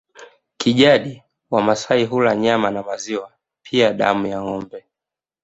Kijadi Wamasai hula nyama na maziwa pia damu ya ngombe